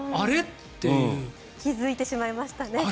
気付いてしまいましたね。